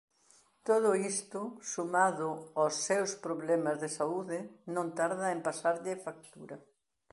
Todo isto sumado ós seus problemas de saúde non tarda en pasarlle factura.